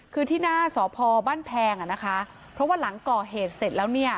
คือที่หน้าสพบ้านแพงอ่ะนะคะเพราะว่าหลังก่อเหตุเสร็จแล้วเนี่ย